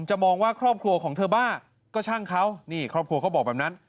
มองว่าครอบครัวของเธอบ้าก็ช่างเขานี่ครอบครัวเขาบอกแบบนั้น